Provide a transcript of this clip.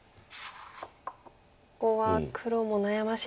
ここは黒も悩ましいですよね。